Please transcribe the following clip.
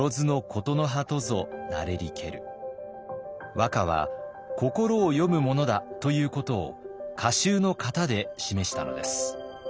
和歌は心を詠むものだということを歌集の型で示したのです。